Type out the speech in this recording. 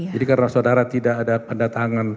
jadi karena saudara tidak ada pendatangan